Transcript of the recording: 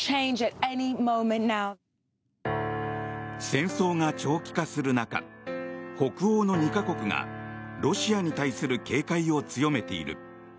戦争が長期化する中北欧の２か国がロシアに対する警戒を強めている。